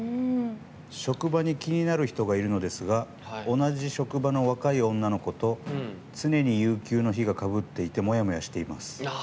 職場に気になる人がいるのですが同じ職場の若い女の子と常に有給の日がかぶっていてモヤモヤしています。